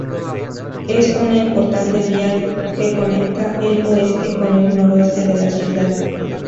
Es una importante vía que conecta el oeste con el noroeste de la ciudad.